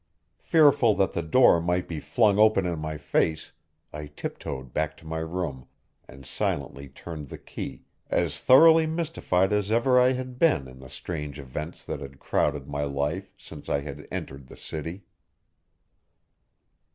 Fearful that the door might be flung open in my face, I tiptoed back to my room, and silently turned the key, as thoroughly mystified as ever I had been in the strange events that had crowded my life since I had entered the city.